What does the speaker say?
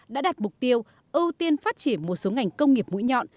đã đạt mục tiêu ưu tiên phát triển một số ngành công nghiệp mũi nhọn